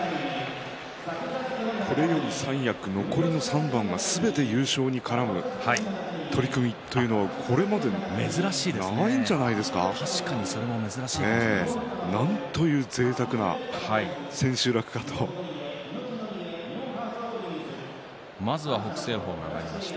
これより三役残りの３番がすべて優勝に絡む取組というのはこれまでないんじゃないですか。なんてぜいたくな千秋楽なんじゃないかとまずは北青鵬が上がりました。